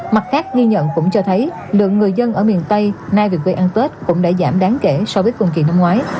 mặt khác ghi nhận cũng cho thấy lượng người dân ở miền tây nay về quê ăn tết cũng đã giảm đáng kể so với cùng kỳ năm ngoái